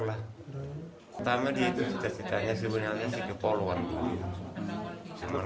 pertama di situ ceritanya sebenarnya si kepol warga